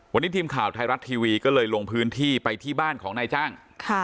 วันนี้ทีมข่าวไทยรัฐทีวีก็เลยลงพื้นที่ไปที่บ้านของนายจ้าง